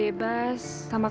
aku juga mau